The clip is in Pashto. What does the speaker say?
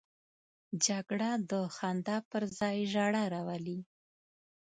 جګړه د خندا پر ځای ژړا راولي